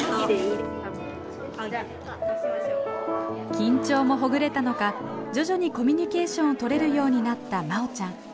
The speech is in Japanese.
緊張もほぐれたのか徐々にコミュニケーションをとれるようになったまおちゃん。